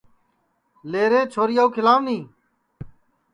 لے رے چھوریا کُو کھیلاو نی